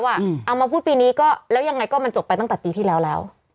เอามาพูดปีนี้ก็แล้วยังไงก็มันจบไปตั้งแต่ปีที่แล้วแล้ว